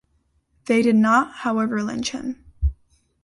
They did not, however lynch him.